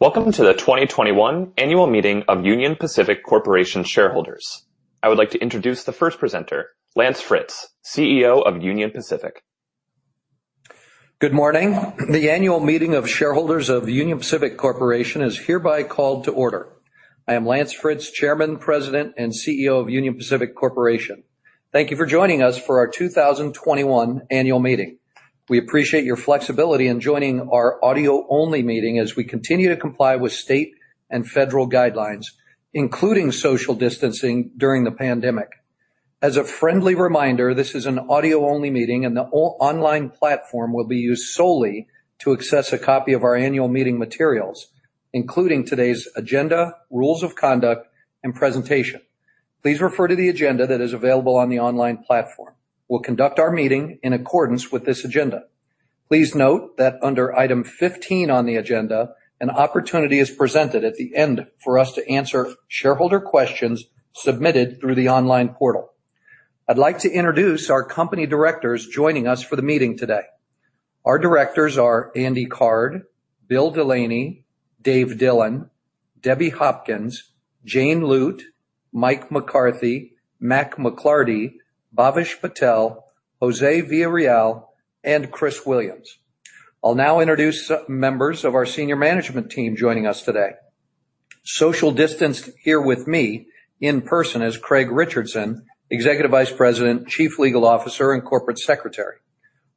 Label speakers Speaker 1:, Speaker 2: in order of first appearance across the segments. Speaker 1: Welcome to the 2021 annual meeting of Union Pacific Corporation shareholders. I would like to introduce the first presenter, Lance Fritz, CEO of Union Pacific.
Speaker 2: Good morning. The annual meeting of shareholders of Union Pacific Corporation is hereby called to order. I am Lance Fritz, Chairman, President, and CEO of Union Pacific Corporation. Thank you for joining us for our 2021 annual meeting. We appreciate your flexibility in joining our audio-only meeting as we continue to comply with state and federal guidelines, including social distancing during the pandemic. As a friendly reminder, this is an audio-only meeting, and the online platform will be used solely to access a copy of our annual meeting materials, including today's agenda, rules of conduct, and presentation. Please refer to the agenda that is available on the online platform. We will conduct our meeting in accordance with this agenda. Please note that under item 15 on the agenda, an opportunity is presented at the end for us to answer shareholder questions submitted through the online portal. I'd like to introduce our company directors joining us for the meeting today. Our directors are Andy Card, Bill DeLaney, Dave Dillon, Debby Hopkins, Jane Lute, Mike McCarthy, Mack McLarty, Bhavesh Patel, Jose Villarreal, and Chris Williams. I'll now introduce some members of our senior management team joining us today. Social distanced here with me in person is Craig Richardson, Executive Vice President, Chief Legal Officer, and Corporate Secretary.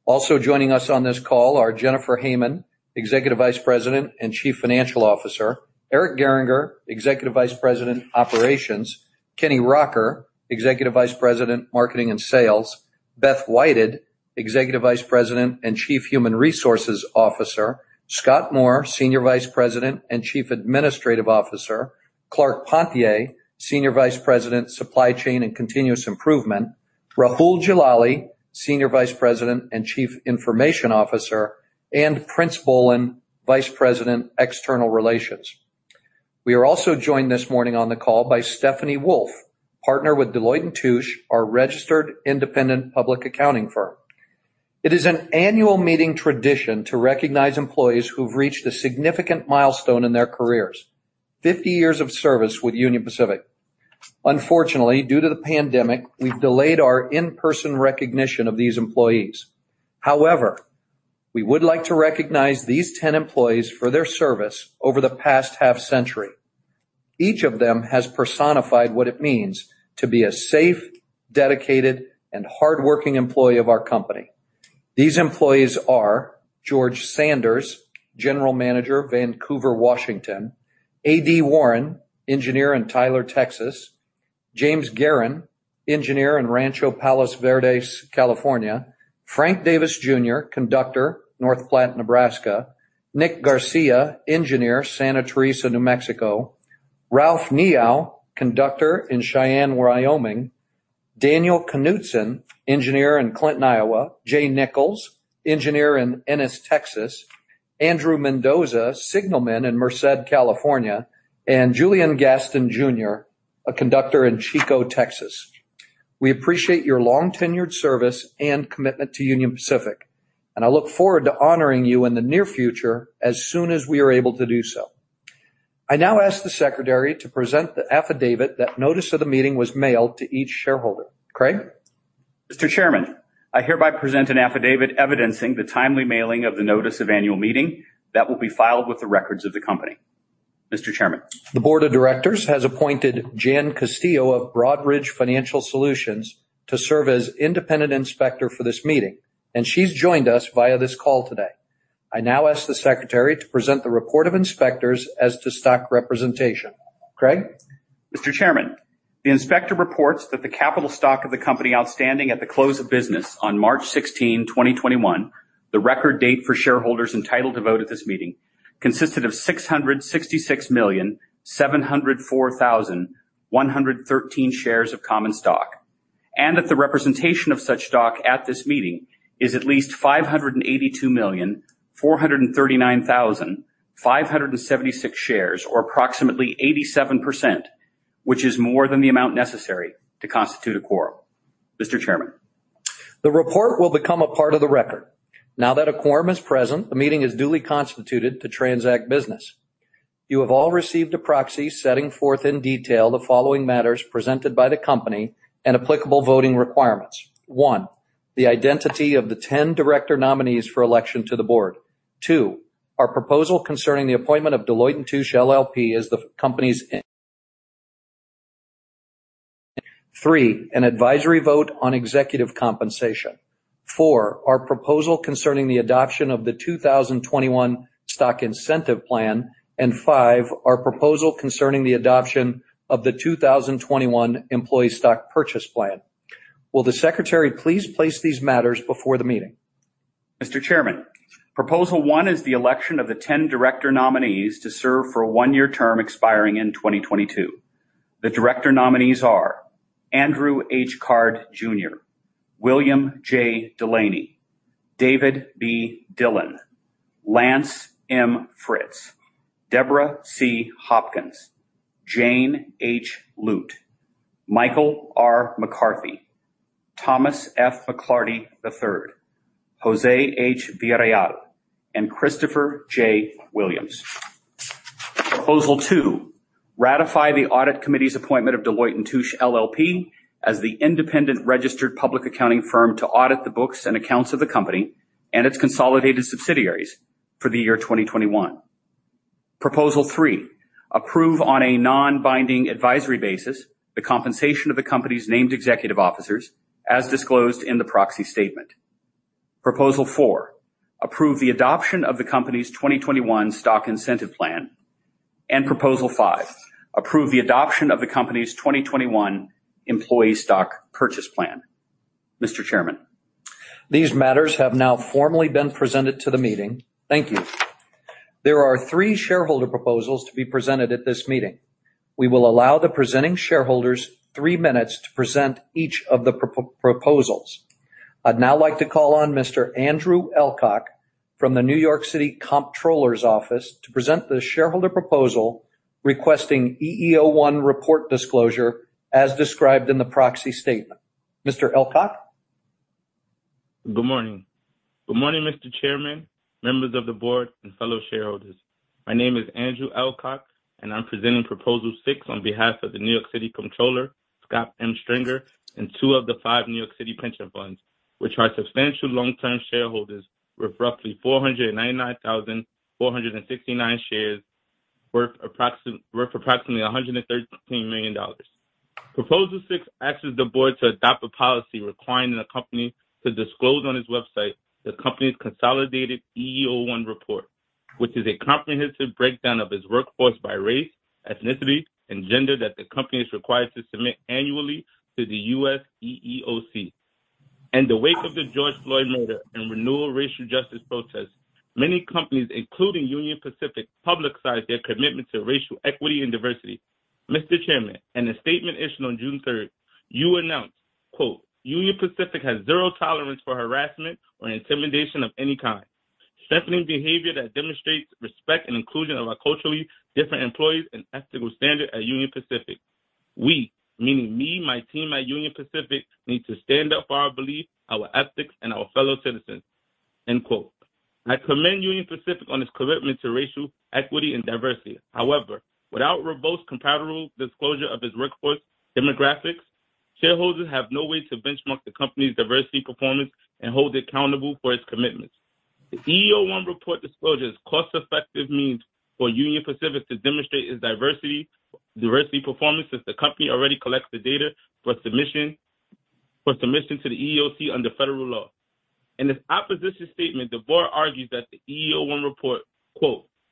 Speaker 2: Also joining us on this call are Jennifer Hamann, Executive Vice President and Chief Financial Officer, Eric Gehringer, Executive Vice President, Operations, Kenny Rocker, Executive Vice President, Marketing and Sales, Beth Whited, Executive Vice President and Chief Human Resources Officer, Scott Moore, Senior Vice President and Chief Administrative Officer, Clark Ponthier, Senior Vice President, Supply Chain and Continuous Improvement, Rahul Jalali, Senior Vice President and Chief Information Officer, and Printz Bolin, Vice President, External Relations. We are also joined this morning on the call by Stephanie Wolfe, partner with Deloitte & Touche, our registered independent public accounting firm. It is an annual meeting tradition to recognize employees who've reached a significant milestone in their careers, 50 years of service with Union Pacific. Unfortunately, due to the pandemic, we've delayed our in-person recognition of these employees. However, we would like to recognize these 10 employees for their service over the past half-century. Each of them has personified what it means to be a safe, dedicated, and hardworking employee of our company. These employees are George Sanders, general manager, Vancouver, Washington, AD Warren, engineer in Tyler, Texas, James Garren, engineer in Rancho Palos Verdes, California, Frank Davis Jr., conductor, North Platte, Nebraska, Nick Garcia, engineer, Santa Teresa, New Mexico, Ralph Neo, conductor in Cheyenne, Wyoming, Daniel Knutson, engineer in Clinton, Iowa, Jay Nichols, engineer in Ennis, Texas, Andrew Mendoza, signalman in Merced, California, and Julian Gaston Jr., a conductor in Chico, Texas. We appreciate your long-tenured service and commitment to Union Pacific, and I look forward to honoring you in the near future as soon as we are able to do so. I now ask the secretary to present the affidavit that notice of the meeting was mailed to each shareholder. Craig?
Speaker 1: Mr. Chairman, I hereby present an affidavit evidencing the timely mailing of the notice of annual meeting that will be filed with the records of the company. Mr. Chairman.
Speaker 2: The board of directors has appointed Jan Castillo of Broadridge Financial Solutions to serve as independent inspector for this meeting, and she's joined us via this call today. I now ask the secretary to present the report of inspectors as to stock representation. Craig?
Speaker 1: Mr. Chairman, the inspector reports that the capital stock of the company outstanding at the close of business on March 16, 2021, the record date for shareholders entitled to vote at this meeting, consisted of 666,704,113 shares of common stock. That the representation of such stock at this meeting is at least 582,439,576 shares or approximately 87%, which is more than the amount necessary to constitute a quorum. Mr. Chairman.
Speaker 2: The report will become a part of the record. Now that a quorum is present, the meeting is duly constituted to transact business. You have all received a proxy setting forth in detail the following matters presented by the company and applicable voting requirements. One, the identity of the 10 director nominees for election to the board. Two, our proposal concerning the appointment of Deloitte & Touche LLP as the company's. Three, an advisory vote on executive compensation. Four, our proposal concerning the adoption of the 2021 stock incentive plan. Five, our proposal concerning the adoption of the 2021 employee stock purchase plan. Will the secretary please place these matters before the meeting?
Speaker 1: Mr. Chairman, proposal one is the election of the 10 director nominees to serve for a one-year term expiring in 2022. The director nominees are Andrew H. Card Jr., William J. DeLaney, David B. Dillon, Lance M. Fritz, Deborah C. Hopkins, Jane H. Lute Michael R. McCarthy, Thomas F. McLarty, III, Jose H. Villarreal, and Christopher J. Williams. Proposal two, ratify the audit committee's appointment of Deloitte & Touche LLP as the independent registered public accounting firm to audit the books and accounts of the company and its consolidated subsidiaries for the year 2021. Proposal three, approve on a non-binding advisory basis the compensation of the company's named executive officers as disclosed in the proxy statement. Proposal four, approve the adoption of the company's 2021 stock incentive plan. Proposal five, approve the adoption of the company's 2021 employee stock purchase plan. Mr. Chairman.
Speaker 2: These matters have now formally been presented to the meeting. Thank you. There are three shareholder proposals to be presented at this meeting. We will allow the presenting shareholders three minutes to present each of the proposals. I'd now like to call on Mr. Andrew Elcock from the New York City Comptroller's Office to present the shareholder proposal requesting EEO-1 report disclosure as described in the proxy statement. Mr. Elcock.
Speaker 3: Good morning. Good morning, Mr. Chairman, members of the board, and fellow shareholders. My name is Andrew Elcock, and I'm presenting proposal 6 on behalf of the New York City Comptroller, Scott M. Stringer, and two of the five New York City pension funds, which are substantial long-term shareholders with roughly 499,469 shares worth approximately $113 million. Proposal six asks the board to adopt a policy requiring the company to disclose on its website the company's consolidated EEO-1 report, which is a comprehensive breakdown of its workforce by race, ethnicity, and gender that the company is required to submit annually to the U.S. EEOC. In the wake of the George Floyd murder and renewal racial justice protests, many companies, including Union Pacific, publicized their commitment to racial equity and diversity. Mr. Chairman, in a statement issued on June 3rd, you announced, "Union Pacific has zero tolerance for harassment or intimidation of any kind, strengthening behavior that demonstrates respect and inclusion of our culturally different employees and ethical standard at Union Pacific. We, meaning me, my team at Union Pacific, need to stand up for our belief, our ethics, and our fellow citizens." I commend Union Pacific on its commitment to racial equity and diversity. However, without robust, comparable disclosure of its workforce demographics, shareholders have no way to benchmark the company's diversity performance and hold it accountable for its commitments. The EEO-1 report disclosure is a cost-effective means for Union Pacific to demonstrate its diversity performance, since the company already collects the data for submission to the EEOC under federal law. In its opposition statement, the board argues that the EEO-1 report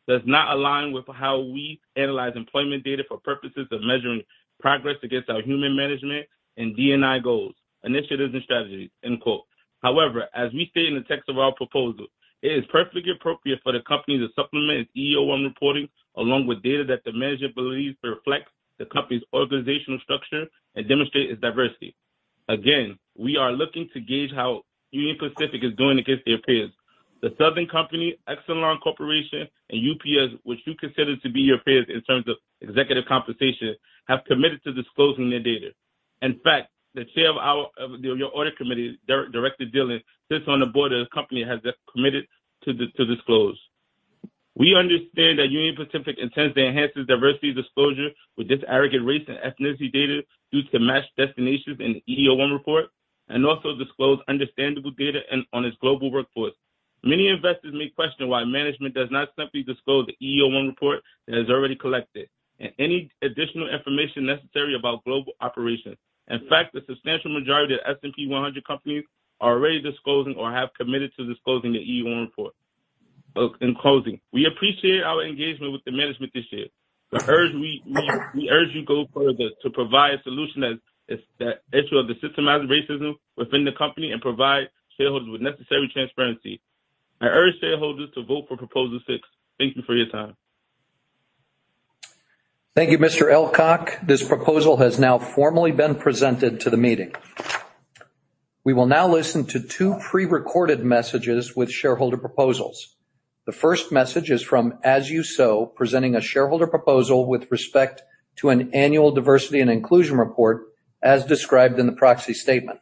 Speaker 3: "does not align with how we analyze employment data for purposes of measuring progress against our human management and D&I goals, initiatives, and strategies." However, as we state in the text of our proposal, it is perfectly appropriate for the company to supplement its EEO-1 reporting along with data that the manager believes reflects the company's organizational structure and demonstrate its diversity. We are looking to gauge how Union Pacific is doing against their peers. The Southern Company, Exelon Corporation, and UPS, which you consider to be your peers in terms of executive compensation, have committed to disclosing their data. The chair of your audit committee, Director Dillon, sits on the board of the company that has committed to disclose. We understand that Union Pacific intends to enhance its diversity disclosure with disaggregate race and ethnicity data due to matched destinations in the EEO-1 report and also disclose understandable data on its global workforce. Many investors may question why management does not simply disclose the EEO-1 report that it has already collected and any additional information necessary about global operations. In fact, the substantial majority of S&P 100 companies are already disclosing or have committed to disclosing the EEO-1 report. In closing, we appreciate our engagement with the management this year. We urge you go further to provide a solution that ensures the systemizing racism within the company and provide shareholders with necessary transparency. I urge shareholders to vote for proposal six. Thank you for your time.
Speaker 2: Thank you, Mr. Elcock. This proposal has now formally been presented to the meeting. We will now listen to two pre-recorded messages with shareholder proposals. The first message is from As You Sow, presenting a shareholder proposal with respect to an annual diversity and inclusion report as described in the proxy statement.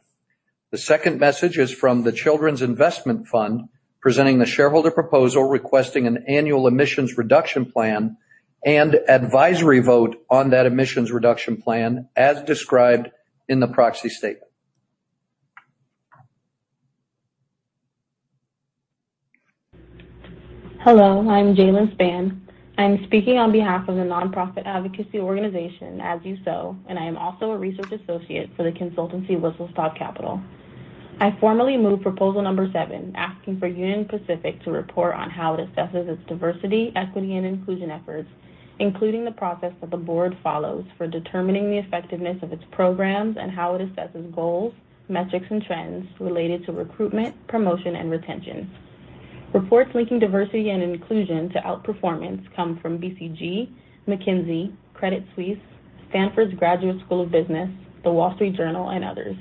Speaker 2: The second message is from The Children's Investment Fund, presenting the shareholder proposal requesting an annual emissions reduction plan and advisory vote on that emissions reduction plan as described in the proxy statement.
Speaker 4: Hello, I'm Jaylen Spann. I am speaking on behalf of the nonprofit advocacy organization, As You Sow, and I am also a research associate for the consultancy Whistle Stop Capital. I formally move proposal number seven, asking for Union Pacific to report on how it assesses its diversity, equity, and inclusion efforts, including the process that the board follows for determining the effectiveness of its programs and how it assesses goals, metrics, and trends related to recruitment, promotion, and retention. Reports linking diversity and inclusion to outperformance come from BCG, McKinsey, Credit Suisse, Stanford Graduate School of Business, The Wall Street Journal, and others.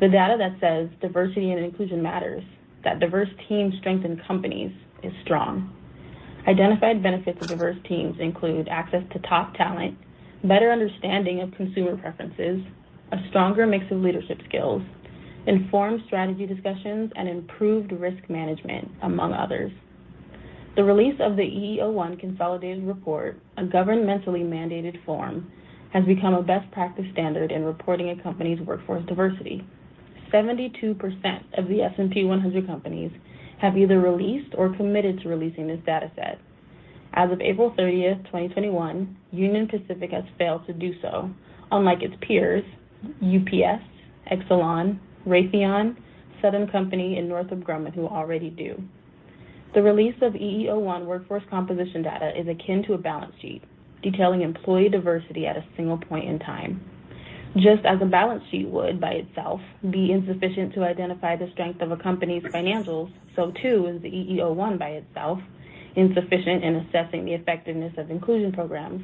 Speaker 4: The data that says diversity and inclusion matters, that diverse teams strengthen companies, is strong. Identified benefits of diverse teams include access to top talent, better understanding of consumer preferences, a stronger mix of leadership skills, informed strategy discussions, and improved risk management, among others. The release of the EEO-1 consolidated report, a governmentally mandated form, has become a best practice standard in reporting a company's workforce diversity. 72% of the S&P 100 companies have either released or committed to releasing this data set. As of April 30th, 2021, Union Pacific has failed to do so, unlike its peers, UPS, Exelon, Raytheon, Southern Company, and Northrop Grumman, who already do. The release of EEO-1 workforce composition data is akin to a balance sheet, detailing employee diversity at a single point in time. Just as a balance sheet would, by itself, be insufficient to identify the strength of a company's financials, so too is the EEO-1 by itself insufficient in assessing the effectiveness of inclusion programs.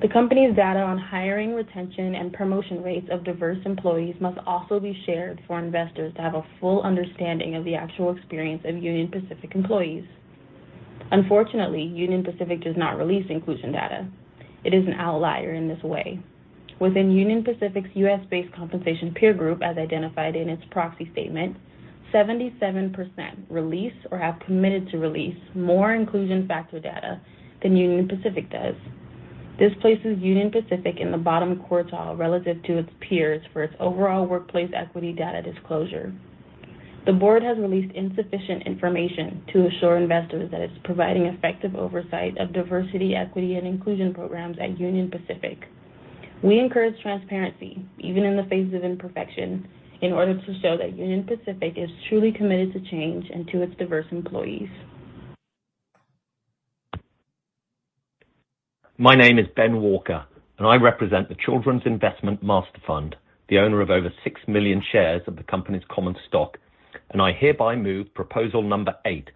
Speaker 4: The company's data on hiring, retention, and promotion rates of diverse employees must also be shared for investors to have a full understanding of the actual experience of Union Pacific employees. Unfortunately, Union Pacific does not release inclusion data. It is an outlier in this way. Within Union Pacific's U.S.-based compensation peer group, as identified in its proxy statement, 77% release or have committed to release more inclusion factor data than Union Pacific does. This places Union Pacific in the bottom quartile relative to its peers for its overall workplace equity data disclosure. The board has released insufficient information to assure investors that it's providing effective oversight of diversity, equity, and inclusion programs at Union Pacific. We encourage transparency, even in the face of imperfection, in order to show that Union Pacific is truly committed to change and to its diverse employees.
Speaker 5: My name is Benjamin Walker, and I represent The Children's Investment Master Fund, the owner of over 6 million shares of the company's common stock, and I hereby move proposal number eight,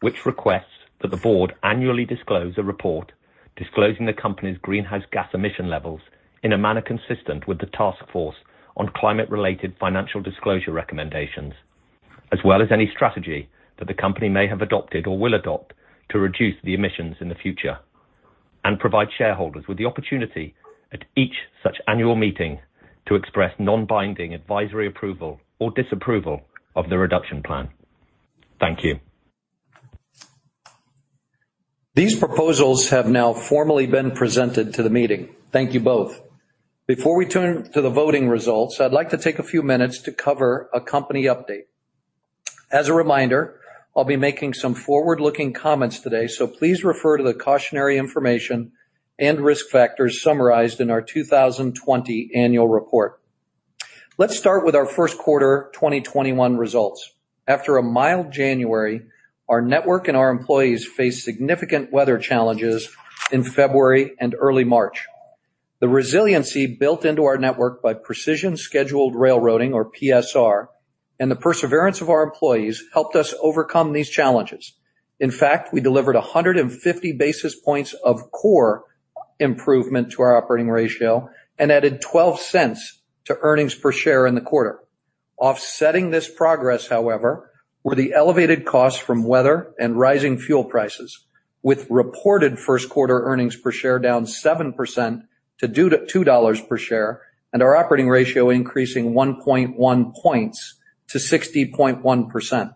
Speaker 5: which requests that the board annually disclose a report disclosing the company's greenhouse gas emission levels in a manner consistent with the Task Force on Climate-related Financial Disclosures recommendations, as well as any strategy that the company may have adopted or will adopt to reduce the emissions in the future, and provide shareholders with the opportunity at each such annual meeting to express non-binding advisory approval or disapproval of the reduction plan. Thank you.
Speaker 2: These proposals have now formally been presented to the meeting. Thank you both. Before we turn to the voting results, I'd like to take a few minutes to cover a company update. As a reminder, I'll be making some forward-looking comments today, so please refer to the cautionary information and risk factors summarized in our 2020 annual report. Let's start with our first quarter 2021 results. After a mild January, our network and our employees faced significant weather challenges in February and early March. The resiliency built into our network by precision scheduled railroading, or PSR, and the perseverance of our employees helped us overcome these challenges. In fact, we delivered 150 basis points of core improvement to our operating ratio and added $0.12 to earnings per share in the quarter. Offsetting this progress, however, were the elevated costs from weather and rising fuel prices, with reported first quarter earnings per share down 7% to $2 per share, and our operating ratio increasing 1.1 points to 60.1%.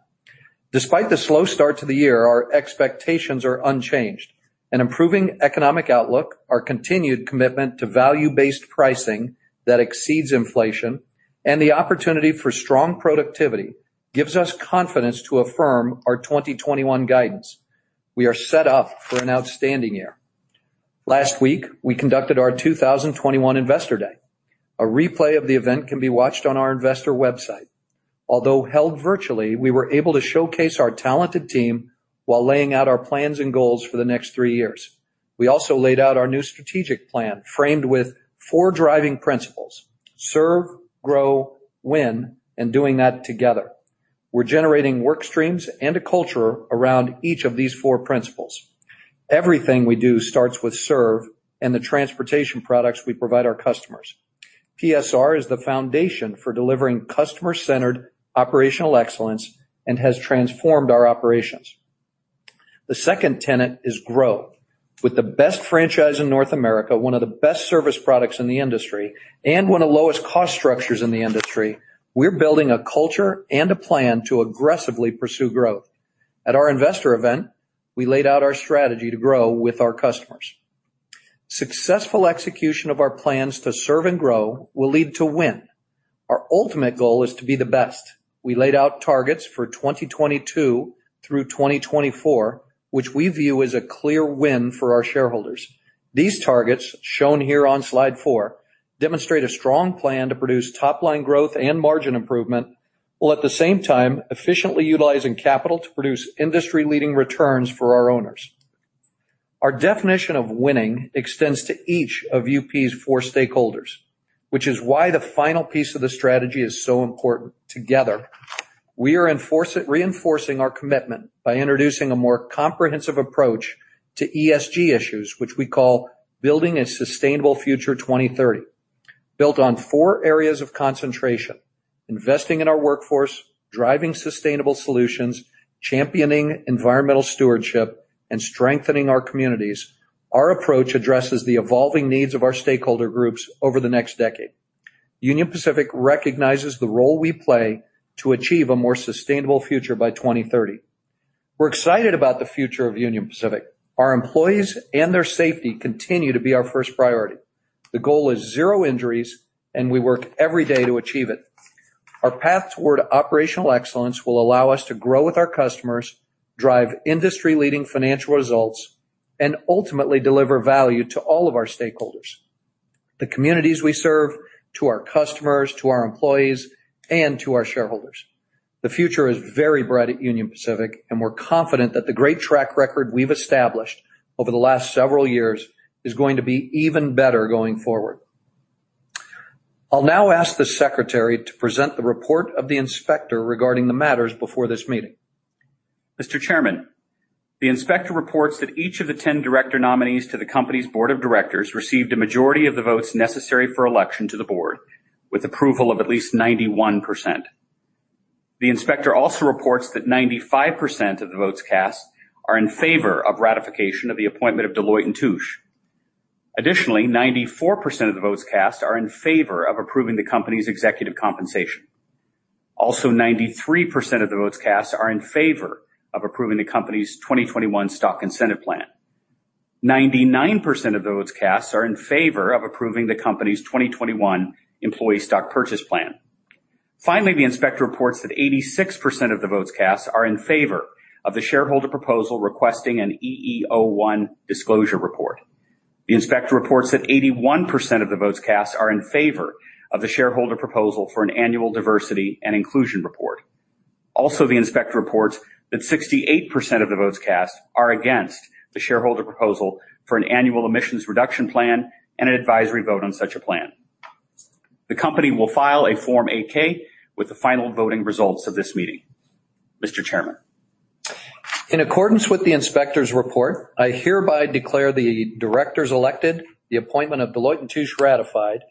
Speaker 2: Despite the slow start to the year, our expectations are unchanged. Improving economic outlook, our continued commitment to value-based pricing that exceeds inflation, and the opportunity for strong productivity gives us confidence to affirm our 2021 guidance. We are set up for an outstanding year. Last week, we conducted our 2021 Investor Day. A replay of the event can be watched on our investor website. Although held virtually, we were able to showcase our talented team while laying out our plans and goals for the next three years. We also laid out our new strategic plan, framed with four driving principles: serve, grow, win, and doing that together. We're generating work streams and a culture around each of these four principles. Everything we do starts with serve and the transportation products we provide our customers. PSR is the foundation for delivering customer-centered operational excellence and has transformed our operations. The second tenet is grow. With the best franchise in North America, one of the best service products in the industry, and one of the lowest cost structures in the industry, we're building a culture and a plan to aggressively pursue growth. At our investor event, we laid out our strategy to grow with our customers. Successful execution of our plans to serve and grow will lead to win. Our ultimate goal is to be the best. We laid out targets for 2022 through 2024, which we view as a clear win for our shareholders. These targets, shown here on slide four, demonstrate a strong plan to produce top-line growth and margin improvement, while at the same time efficiently utilizing capital to produce industry-leading returns for our owners. Our definition of winning extends to each of UP's four stakeholders, which is why the final piece of the strategy is so important, together. We are reinforcing our commitment by introducing a more comprehensive approach to ESG issues, which we call Building a Sustainable Future 2030. Built on four areas of concentration, investing in our workforce, driving sustainable solutions, championing environmental stewardship, and strengthening our communities, our approach addresses the evolving needs of our stakeholder groups over the next decade. Union Pacific recognizes the role we play to achieve a more sustainable future by 2030. We're excited about the future of Union Pacific. Our employees and their safety continue to be our first priority. The goal is zero injuries, and we work every day to achieve it. Our path toward operational excellence will allow us to grow with our customers, drive industry-leading financial results, and ultimately deliver value to all of our stakeholders, the communities we serve, to our customers, to our employees, and to our shareholders. The future is very bright at Union Pacific, and we're confident that the great track record we've established over the last several years is going to be even better going forward. I'll now ask the secretary to present the report of the inspector regarding the matters before this meeting.
Speaker 1: Mr. Chairman, the inspector reports that each of the 10 director nominees to the company's board of directors received a majority of the votes necessary for election to the board, with approval of at least 91%. The inspector also reports that 95% of the votes cast are in favor of ratification of the appointment of Deloitte & Touche. Additionally, 94% of the votes cast are in favor of approving the company's executive compensation. Also, 93% of the votes cast are in favor of approving the company's 2021 stock incentive plan. 99% of the votes cast are in favor of approving the company's 2021 employee stock purchase plan. Finally, the inspector reports that 86% of the votes cast are in favor of the shareholder proposal requesting an EEO-1 disclosure report. The inspector reports that 81% of the votes cast are in favor of the shareholder proposal for an annual diversity and inclusion report. The inspector reports that 68% of the votes cast are against the shareholder proposal for an annual emissions reduction plan and an advisory vote on such a plan. The company will file a Form 8-K with the final voting results of this meeting, Mr. Chairman.
Speaker 2: In accordance with the inspector's report, I hereby declare the directors elected, the appointment of Deloitte & Touche ratified,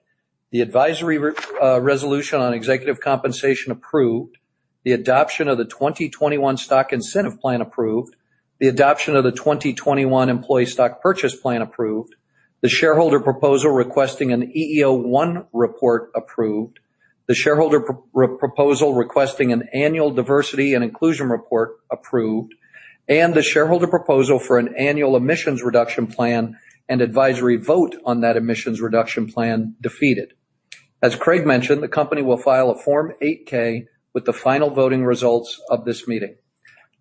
Speaker 2: the advisory resolution on executive compensation approved, the adoption of the 2021 stock incentive plan approved, the adoption of the 2021 employee stock purchase plan approved, the shareholder proposal requesting an EEO-1 report approved, the shareholder proposal requesting an annual diversity and inclusion report approved, and the shareholder proposal for an annual emissions reduction plan and advisory vote on that emissions reduction plan defeated. As Craig mentioned, the company will file a Form 8-K with the final voting results of this meeting.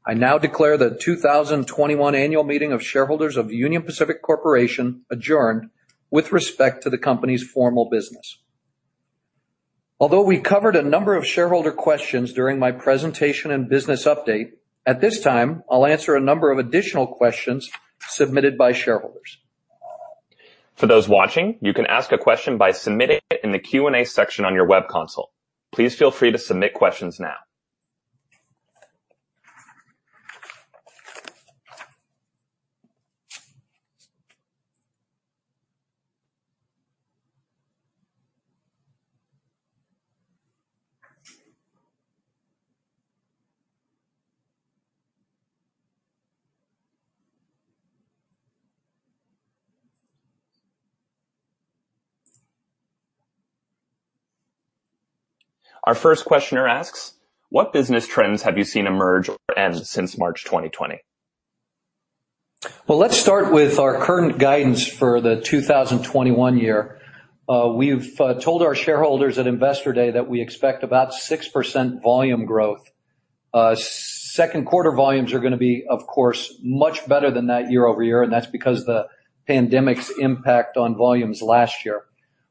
Speaker 2: I now declare the 2021 annual meeting of shareholders of Union Pacific Corporation adjourned with respect to the company's formal business. Although we covered a number of shareholder questions during my presentation and business update, at this time, I'll answer a number of additional questions submitted by shareholders.
Speaker 1: For those watching, you can ask a question by submitting it in the Q&A section on your web console. Please feel free to submit questions now. Our first questioner asks, "What business trends have you seen emerge or end since March 2020?
Speaker 2: Well, let's start with our current guidance for the 2021 year. We've told our shareholders at Investor Day that we expect about 6% volume growth. Second quarter volumes are going to be, of course, much better than that year-over-year, That's because the pandemic's impact on volumes last year.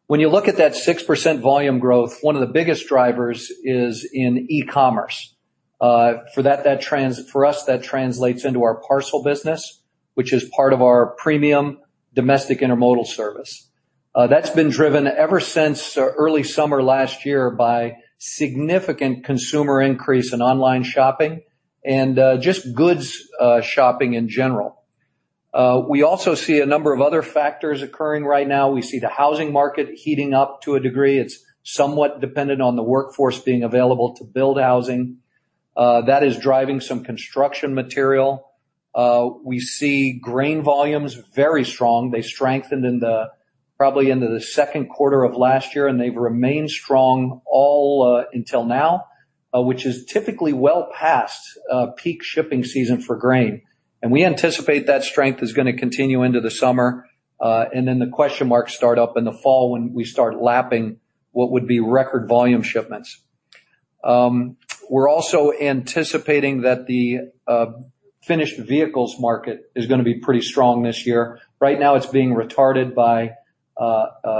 Speaker 2: When you look at that 6% volume growth, one of the biggest drivers is in e-commerce. For us, that translates into our parcel business, which is part of our premium domestic intermodal service. That's been driven ever since early summer last year by significant consumer increase in online shopping and just goods shopping in general. We also see a number of other factors occurring right now. We see the housing market heating up to a degree. It's somewhat dependent on the workforce being available to build housing. That is driving some construction material. We see grain volumes very strong. They strengthened probably into the second quarter of last year, and they've remained strong all until now, which is typically well past peak shipping season for grain. We anticipate that strength is going to continue into the summer, then the question marks start up in the fall when we start lapping what would be record volume shipments. We're also anticipating that the finished vehicles market is going to be pretty strong this year. Right now, it's being retarded by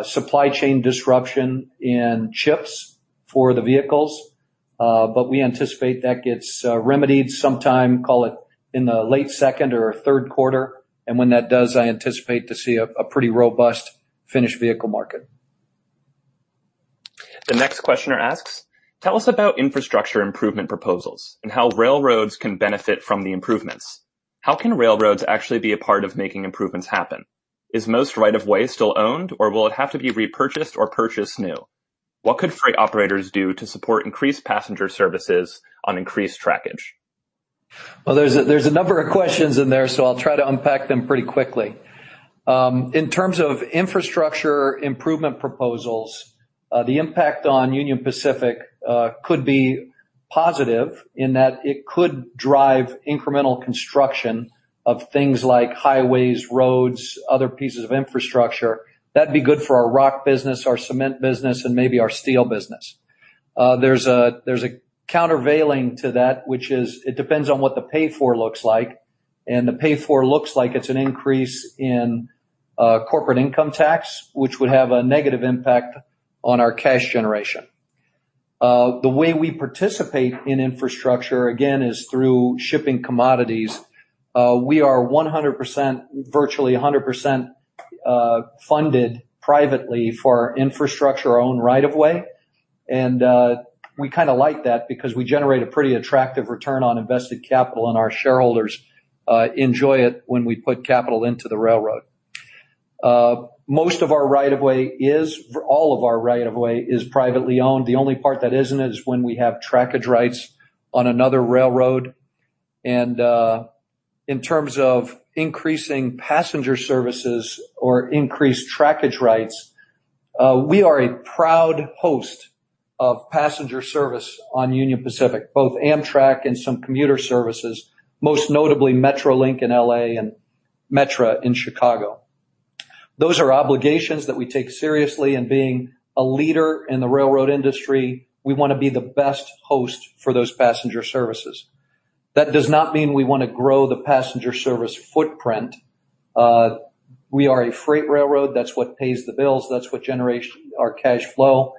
Speaker 2: supply chain disruption in chips for the vehicles. We anticipate that gets remedied sometime, call it in the late second or third quarter, and when that does, I anticipate to see a pretty robust finished vehicle market.
Speaker 1: The next questioner asks, "Tell us about infrastructure improvement proposals and how railroads can benefit from the improvements. How can railroads actually be a part of making improvements happen? Is most right of way still owned, or will it have to be repurchased or purchased new? What could freight operators do to support increased passenger services on increased trackage?"
Speaker 2: There's a number of questions in there, so I'll try to unpack them pretty quickly. In terms of infrastructure improvement proposals, the impact on Union Pacific could be positive in that it could drive incremental construction of things like highways, roads, other pieces of infrastructure. That'd be good for our rock business, our cement business, and maybe our steel business. There's a countervailing to that, which is it depends on what the pay-for looks like, and the pay-for looks like it's an increase in corporate income tax, which would have a negative impact on our cash generation. The way we participate in infrastructure, again, is through shipping commodities. We are 100%, virtually 100% funded privately for our infrastructure, our own right of way. We kind of like that because we generate a pretty attractive return on invested capital, and our shareholders enjoy it when we put capital into the railroad. All of our right of way is privately owned. The only part that isn't is when we have trackage rights on another railroad. In terms of increasing passenger services or increased trackage rights, we are a proud host of passenger service on Union Pacific, both Amtrak and some commuter services, most notably Metrolink in L.A. and Metra in Chicago. Those are obligations that we take seriously and being a leader in the railroad industry, we want to be the best host for those passenger services. That does not mean we want to grow the passenger service footprint. We are a freight railroad. That's what pays the bills. That's what generates our cash flow.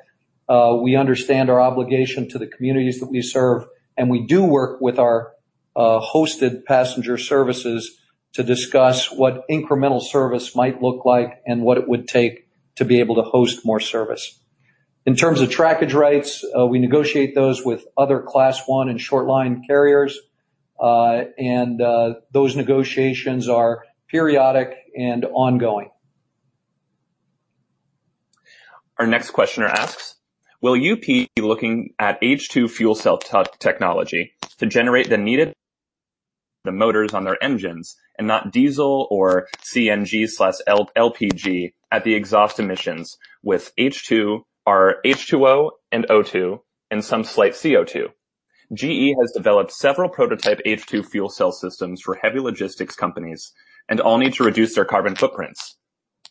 Speaker 2: We understand our obligation to the communities that we serve, we do work with our hosted passenger services to discuss what incremental service might look like and what it would take to be able to host more service. In terms of trackage rights, we negotiate those with other Class 1 and short line carriers. Those negotiations are periodic and ongoing.
Speaker 1: Our next questioner asks, "Will UP be looking at H2 fuel cell technology to generate the needed motors on their engines and not diesel or CNG/LPG at the exhaust emissions with H2 or H2O and O2 and some slight CO2? GE has developed several prototype H2 fuel cell systems for heavy logistics companies. All need to reduce their carbon footprints.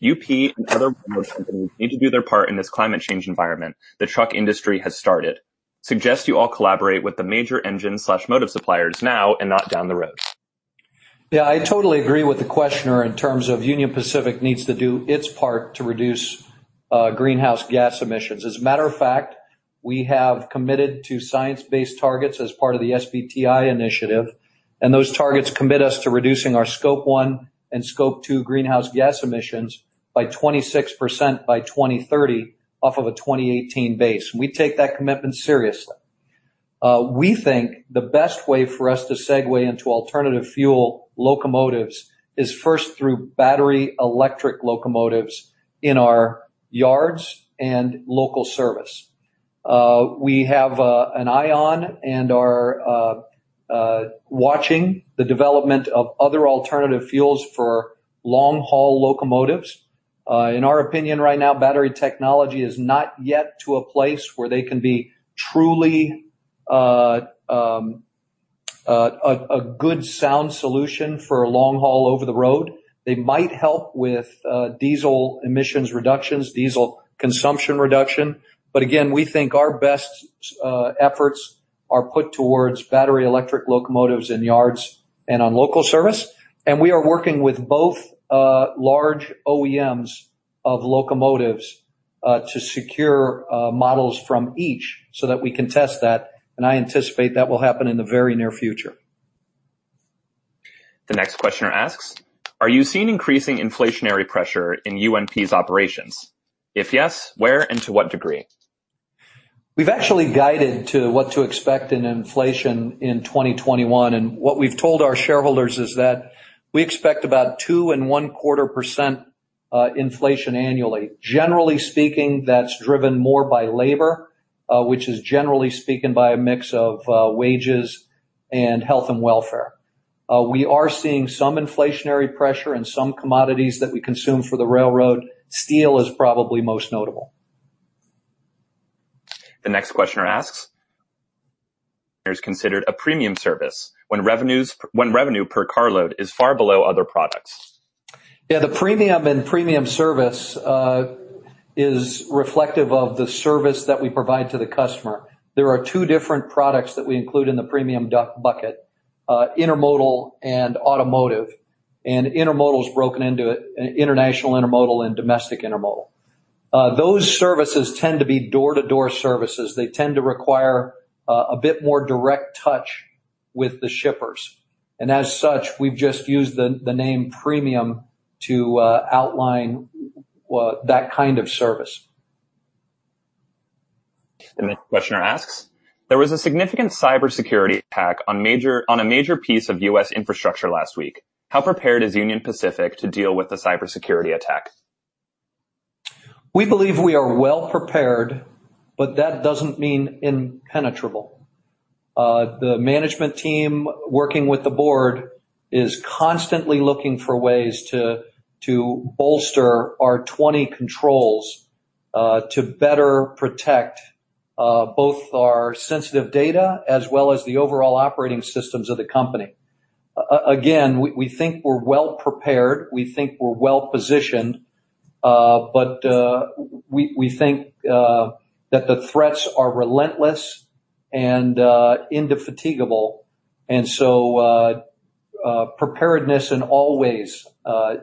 Speaker 1: UP and other railroad companies need to do their part in this climate change environment the truck industry has started. Suggest you all collaborate with the major engine/motive suppliers now and not down the road."
Speaker 2: Yeah, I totally agree with the questioner in terms of Union Pacific needs to do its part to reduce greenhouse gas emissions. As a matter of fact, we have committed to science-based targets as part of the SBTi initiative, and those targets commit us to reducing our scope one and scope two greenhouse gas emissions by 26% by 2030 off of a 2018 base. We take that commitment seriously. We think the best way for us to segue into alternative fuel locomotives is first through battery electric locomotives in our yards and local service. We have an eye on and are watching the development of other alternative fuels for long-haul locomotives. In our opinion right now, battery technology is not yet to a place where they can be truly a good, sound solution for a long haul over the road. They might help with diesel emissions reductions, diesel consumption reduction. Again, we think our best efforts are put towards battery electric locomotives in yards and on local service. We are working with both large OEMs of locomotives to secure models from each so that we can test that, I anticipate that will happen in the very near future.
Speaker 1: The next questioner asks, "Are you seeing increasing inflationary pressure in UNP's operations? If yes, where and to what degree?"
Speaker 2: We've actually guided to what to expect in inflation in 2021. What we've told our shareholders is that we expect about two and one-quarter percent inflation annually. Generally speaking, that's driven more by labor, which is generally spoken by a mix of wages and health and welfare. We are seeing some inflationary pressure in some commodities that we consume for the railroad. steel is probably most notable.
Speaker 1: The next questioner asks, "Is considered a premium service when revenue per carload is far below other products?"
Speaker 2: Yeah, the premium and premium service is reflective of the service that we provide to the customer. There are two different products that we include in the premium bucket, intermodal and automotive, and intermodal is broken into international intermodal and domestic intermodal. Those services tend to be door-to-door services. They tend to require a bit more direct touch with the shippers. As such, we've just used the name premium to outline that kind of service.
Speaker 1: The next questioner asks, "There was a significant cybersecurity attack on a major piece of U.S. infrastructure last week. How prepared is Union Pacific to deal with a cybersecurity attack?"
Speaker 2: We believe we are well-prepared, that doesn't mean impenetrable. The management team working with the board is constantly looking for ways to bolster our 20 controls to better protect both our sensitive data as well as the overall operating systems of the company. We think we're well-prepared, we think we're well-positioned, we think that the threats are relentless and indefatigable, preparedness in all ways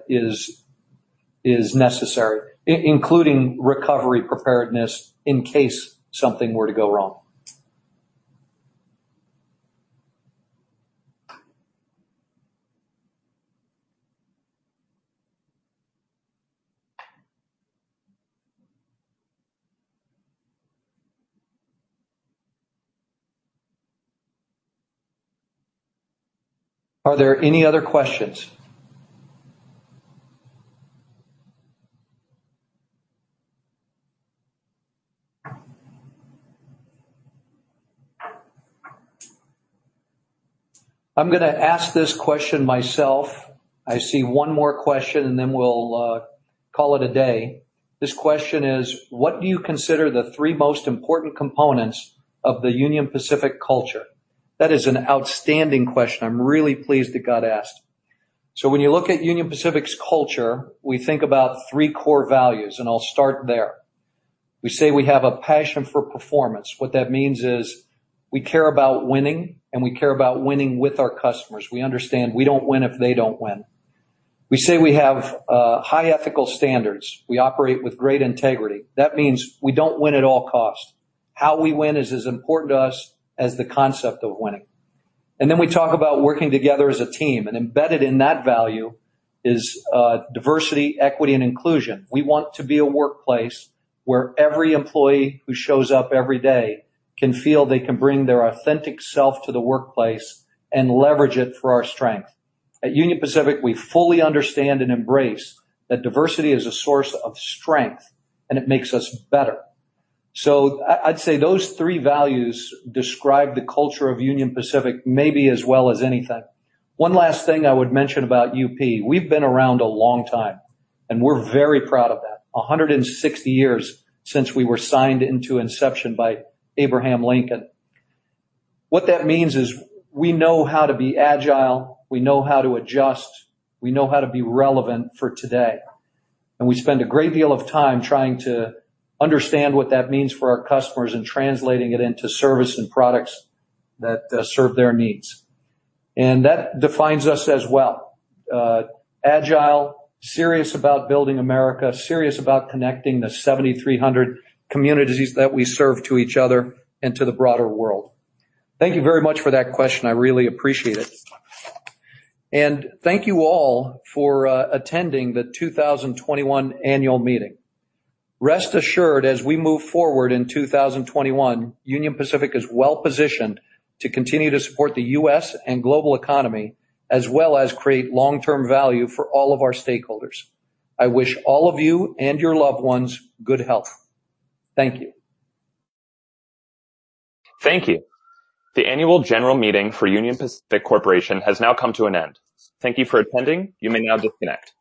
Speaker 2: is necessary, including recovery preparedness in case something were to go wrong. Are there any other questions? I'm going to ask this question myself. I see one more question we'll call it a day. This question is "What do you consider the three most important components of the Union Pacific culture?" That is an outstanding question I'm really pleased it got asked. When you look at Union Pacific's culture, we think about three core values, and I'll start there. We say we have a passion for performance. What that means is we care about winning and we care about winning with our customers. We understand we don't win if they don't win. We say we have high ethical standards. We operate with great integrity. That means we don't win at all costs. How we win is as important to us as the concept of winning. We talk about working together as a team, and embedded in that value is diversity, equity, and inclusion. We want to be a workplace where every employee who shows up every day can feel they can bring their authentic self to the workplace and leverage it for our strength. At Union Pacific, we fully understand and embrace that diversity is a source of strength, it makes us better. I'd say those three values describe the culture of Union Pacific maybe as well as anything. One last thing I would mention about UP. We've been around a long time, we're very proud of that. 160 years since we were signed into inception by Abraham Lincoln. What that means is we know how to be agile, we know how to adjust, we know how to be relevant for today, we spend a great deal of time trying to understand what that means for our customers and translating it into service and products that serve their needs. That defines us as well. Agile, serious about building America, serious about connecting the 7,300 communities that we serve to each other and to the broader world. Thank you very much for that question. I really appreciate it. Thank you all for attending the 2021 annual meeting. Rest assured, as we move forward in 2021, Union Pacific is well-positioned to continue to support the U.S. and global economy, as well as create long-term value for all of our stakeholders. I wish all of you and your loved ones good health. Thank you.
Speaker 1: Thank you. The annual general meeting for Union Pacific Corporation has now come to an end. Thank you for attending. You may now disconnect.